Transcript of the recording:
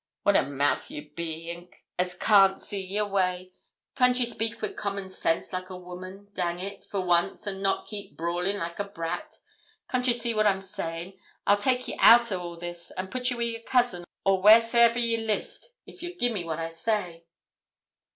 What a mouth you be, as can't see your way! Can't ye speak wi' common sense, like a woman dang it for once, and not keep brawling like a brat can't ye see what I'm saying? I'll take ye out o' all this, and put ye wi' your cousin, or wheresoever you list, if ye'll gi'e me what I say.'